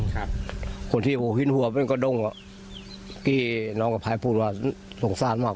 ค่ะคนที่หัวหิ้นหัวมันก็ดุ้งอ่ะน้องกับพลายพูดว่าสงสารมาก